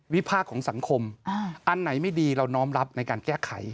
ภาคของสังคมอันไหนไม่ดีเราน้อมรับในการแก้ไข